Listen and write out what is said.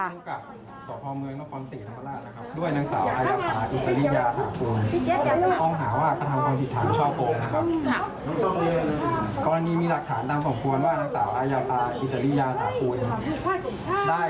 ไปส่งที่สถานีตรงรวดอุทรเมืองนครสิทธิ์ธรรมดา